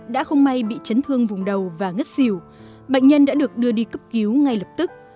đã không may bị chấn thương vùng đầu và ngất xỉu bệnh nhân đã được đưa đi cấp cứu ngay lập tức